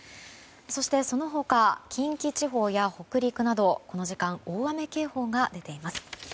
そして、その他近畿地方や北陸などこの時間大雨警報が出ています。